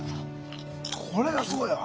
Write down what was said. これがすごいわ。